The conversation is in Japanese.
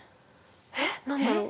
えっ何だろう？